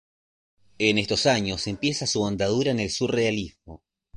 En estos años empieza su andadura en el surrealismo.